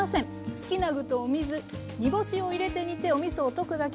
好きな具とお水煮干しを入れて煮ておみそを溶くだけ。